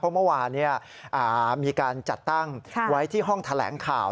เมื่อวานมีการจัดตั้งไว้ที่ห้องแถลงข่าว